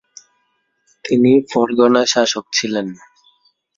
তিনি ফরগনার শাসক ছিলেন।